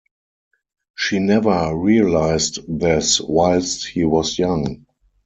She never realised this, whilst he was young.